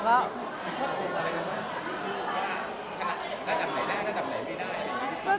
จบไหนได้หรือจบไหนไม่ได้